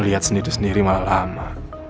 lihat sendiri sendiri malah lama